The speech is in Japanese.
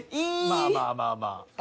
まあまあまあまあ。